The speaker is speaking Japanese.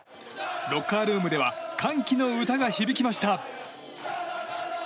ロッカールームでは歓喜の歌が響きました。